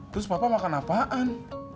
terus papa makan apaan